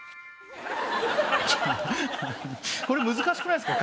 これ難しくないですか？